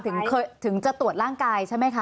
ถึงจะตรวจร่างกายใช่ไหมคะ